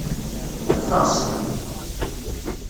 Ffeɣ ssya!